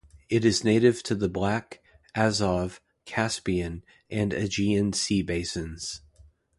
It is native to the Black, Azov, Caspian and Aegean Sea basins.